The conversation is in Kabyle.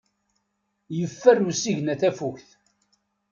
Yeffer usigna tafukt.